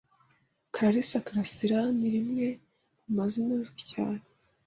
Clarisse Karasira ni rimwe mu mazina azwi cyane